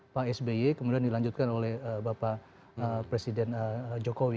pak sby kemudian dilanjutkan oleh bapak presiden jokowi